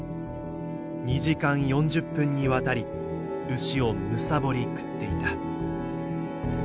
２時間４０分にわたり牛をむさぼり食っていた。